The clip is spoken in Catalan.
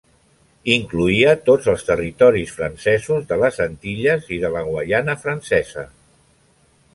Incloïa tots els territoris francesos de les Antilles i de la Guaiana Francesa.